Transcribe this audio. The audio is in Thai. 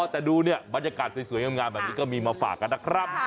แต่ดูเนี่ยบรรยากาศสวยงามแบบนี้ก็มีมาฝากกันนะครับ